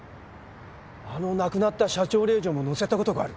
あの亡くなった社長令嬢も乗せた事がある。